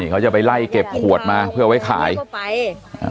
นี่เขาจะไปไล่เก็บขวดมาเพื่อเอาไว้ขายอ่า